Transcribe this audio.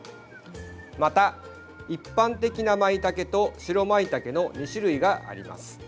また、一般的なまいたけと白まいたけの２種類があります。